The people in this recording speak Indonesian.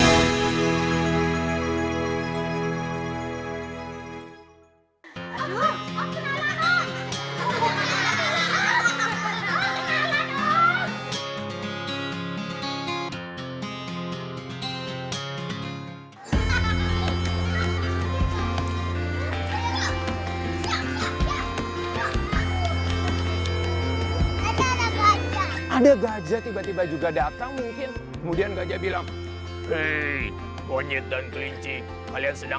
jangan suka garuk garuk